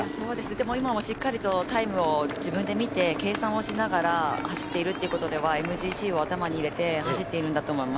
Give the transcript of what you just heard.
でも今はしっかりとタイムを自分で見て計算をしながら走っているということではＭＧＣを頭に入れて走っているんだと思います。